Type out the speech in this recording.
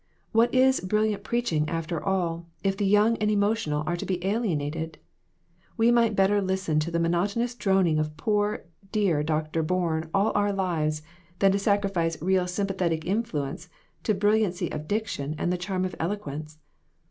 "What is brilliant preaching, after all, if the young and emotional are to be alienated ? We might better listen to the monotonous droning of poor, dear Dr. Borne all our lives than to sacrifice real sympathetic influence to brilliancy of diction and the charm of eloquence.